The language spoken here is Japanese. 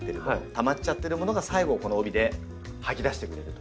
たまっちゃってるものが最後この帯で吐き出してくれるという。